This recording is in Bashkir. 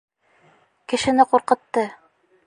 Кешене ҡурҡытты!